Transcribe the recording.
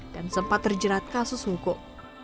dan sempat terjerat kasus hukum